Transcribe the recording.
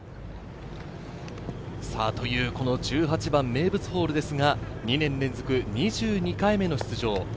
この１８番・名物ホールですが、２年連続２２回目の出場。